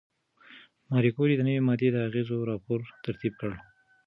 ماري کوري د نوې ماده د اغېزو راپور ترتیب کړ.